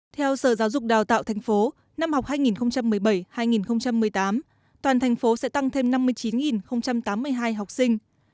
theo sở giáo dục đào tạo thành phố năm học hai nghìn một mươi bảy hai nghìn một mươi tám toàn thành phố sẽ tăng thêm năm mươi chín tám mươi hai học sinh